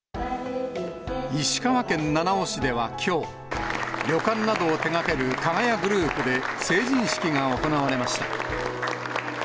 石川県七尾市ではきょう、旅館などを手がける加賀屋グループで、成人式が行われました。